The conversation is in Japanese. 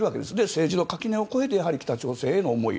政治の垣根を越えてやはり北朝鮮への思い。